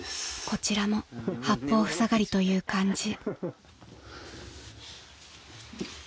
［こちらも八方ふさがりという感じ］